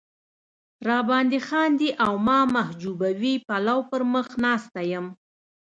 را باندې خاندي او ما محجوبوي پلو پر مخ ناسته یم.